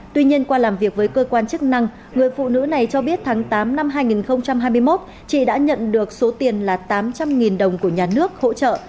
tuy nhiên qua làm việc với cơ quan chức năng người phụ nữ này cho biết tháng tám năm hai nghìn hai mươi một chị đã nhận được số tiền là tám trăm linh đồng của nhà nước hỗ trợ